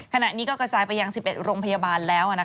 ขณะนี้ก็กระจายไปยัง๑๑โรงพยาบาลแล้ว